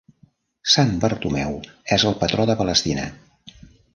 Sant Bartomeu és el patró de Palestina.